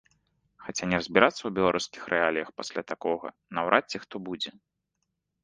Хаця не разбірацца ў беларускіх рэаліях пасля такога наўрад ці хто будзе.